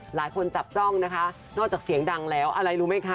หลายคนจับจ้องนะคะนอกจากเสียงดังแล้วอะไรรู้ไหมคะ